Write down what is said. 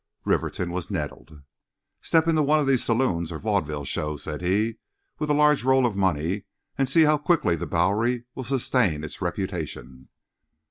Rivington was nettled. "Step into one of these saloons or vaudeville shows," said he, "with a large roll of money, and see how quickly the Bowery will sustain its reputation."